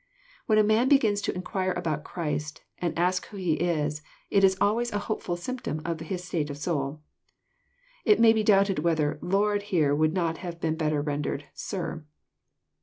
When a man begins to inquire about Christy and ask who He is, it is always a hopef\il symptom of his sti«te of soul. It inay be doubted whether "Lord" here would not have been better rendered " Sir."